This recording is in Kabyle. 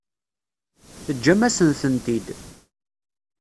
Teǧǧam-asen-tent-id.